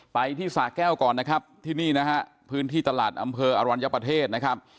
ไปที่สะแก้วก่อนนะครับที่นี่นะฮะพื้นที่ตลาดอำเภออรัญญประเทศนะครับ